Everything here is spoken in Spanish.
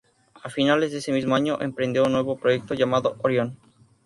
A finales de ese mismo año emprendió un nuevo proyecto llamado Orion.